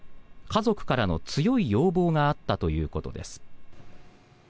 家族からの強い要望があったということです。